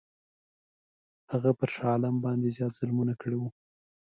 هغه پر شاه عالم باندي زیات ظلمونه کړي وه.